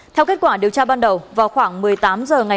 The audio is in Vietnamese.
theo kết quả điều tra ban đầu vào khoảng một mươi tám h ngày hôm nay